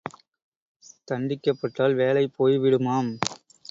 தண்டிக்கப்பட்டால் வேலை போய்விடுமாம்.